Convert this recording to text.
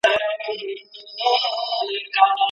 ابن عربی